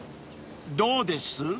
［どうです？］